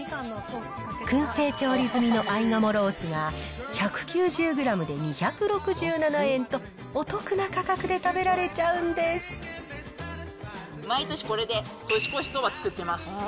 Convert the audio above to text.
くん製調理済みの合鴨ロースが、１９０グラムで２６７円とお得な価格で食べられちゃうんです。